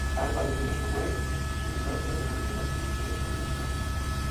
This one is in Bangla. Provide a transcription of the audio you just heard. তার কর্মজীবনের সময়, চিলাভার্টকে প্যারাগুয়ের ভবিষ্যৎ রাষ্ট্রপতি হিসেবে ষড়যন্ত্র করা হয়েছিল।